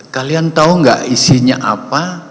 kalian tahu nggak isinya apa